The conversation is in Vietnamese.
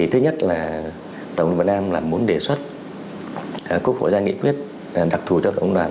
thứ nhất là tổng liên đoàn muốn đề xuất quốc hội ra nghị quyết đặc thù cho tổng liên đoàn